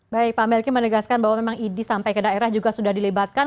baik pak melki menegaskan bahwa memang idi sampai ke daerah juga sudah dilebatkan